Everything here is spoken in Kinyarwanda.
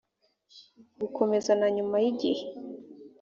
gukomeza na nyuma y’igihe